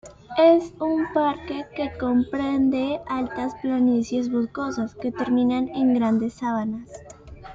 Es un parque que comprende altas planicies boscosas, que terminan en grandes sabanas.